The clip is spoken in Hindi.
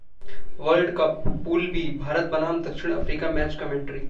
world cup pool B- Bharat बनाम दक्षिण अफ्रीका मैच कमेंट्री